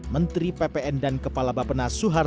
menteri ppn dan kepala bapak nas suharni